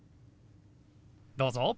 どうぞ。